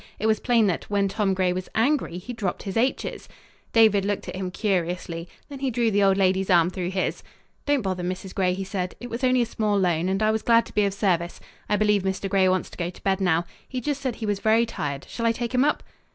It was plain that, when Tom Gray was angry, he dropped his h's. David looked at him curiously, then he drew the old lady's arm through his. "Don't bother, Mrs. Gray," he said. "It was only a small loan, and I was glad to be of service. I believe Mr. Gray wants to go to bed now. He just said he was very tired. Shall I take him up?"